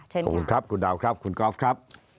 เชิญค่ะขอบคุณครับคุณดาวครับคุณก๊อฟครับ